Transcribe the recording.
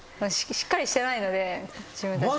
しっかりしてないので自分たちも。